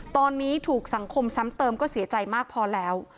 ตอนนี้ถูกสังคมซ้ำเติมก็เสียใจมากพอแล้ว